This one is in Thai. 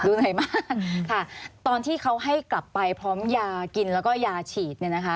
ดูเหนื่อยมากค่ะตอนที่เขาให้กลับไปพร้อมยากินแล้วก็ยาฉีด